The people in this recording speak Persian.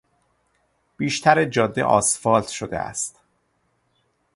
بیشتر جاده آسفالت شده است.